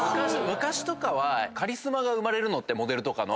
昔とかはカリスマ生まれるのってモデルとかの。